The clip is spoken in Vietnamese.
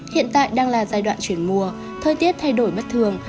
hiện tại đang là giai đoạn chuyển mùa thời tiết thay đổi bất thường